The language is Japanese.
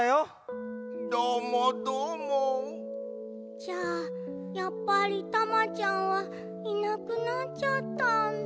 じゃあやっぱりタマちゃんはいなくなっちゃったんだ。